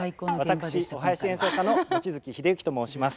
私お囃子演奏家の望月秀幸と申します。